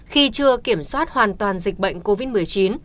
khi chưa kiểm soát hoàn toàn dịch bệnh covid một mươi chín